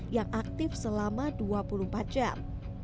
yang aktif selama dua puluh empat jam